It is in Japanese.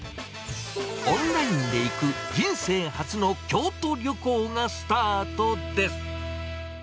オンラインで行く人生初の京都旅行がスタートです。